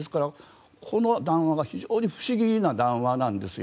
この談話が非常に不思議な談話なんですよ。